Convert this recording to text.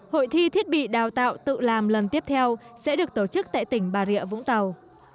hội thi thiết bị đào tạo tự làm lần tiếp theo sẽ được tổ chức tại tỉnh bà rịa vũng tàu